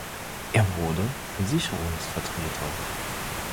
Er wurde Versicherungsvertreter.